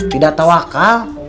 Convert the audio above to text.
tidak tahu akal